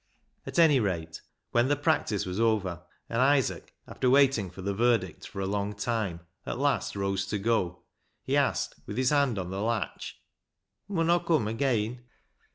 At any rate, when the practice was over, and Isaac, after waiting for the verdict for a long time, at last rose to go, he asked, with his hand on the latch —" Mun Aw cum ageean